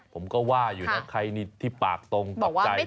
ผมก็ว่าอยู่นะใครที่ปากตรงตกใจ